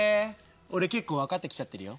俺結構分かってきちゃってるよ。